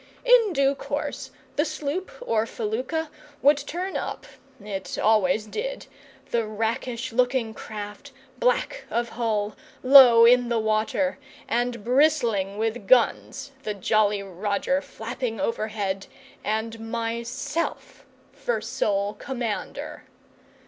In due course the sloop or felucca would turn up it always did the rakish looking craft, black of hull, low in the water, and bristling with guns; the jolly Roger flapping overhead, and myself for sole commander.